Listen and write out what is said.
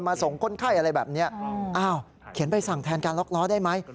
ส่งคนไข้อะไรแบบนี้อ้าวเขียนใบสั่งแทนการล็อกล้อได้ไหม